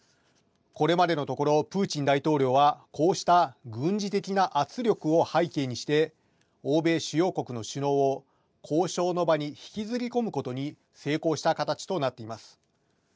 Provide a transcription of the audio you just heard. これまでのところ、プーチン大統領はこうした軍事的な圧力を背景にして、欧米主要国の首脳を交渉の場に引きずり込むことに成功した形となっています。